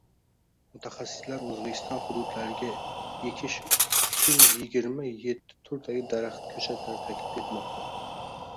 Mutaxassislar O‘zbekiston hududlariga ekish uchunyigirma yettiturdagi daraxt ko‘chatlari taklif etmoqda